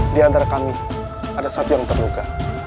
di antara kami ada satu yang terluka